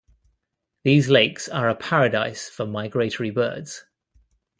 These lakes are a paradise for migratory birds.